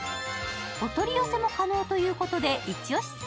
お取り寄せも可能ということでいちおし